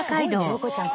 陽子ちゃん